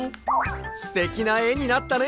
すてきなえになったね！